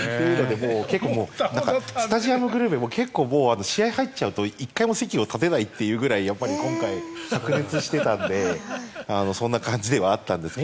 スタジアムグルメも試合に入っちゃうと１回も席を立てないぐらい今回、白熱してたのでそんな感じではあったんですが。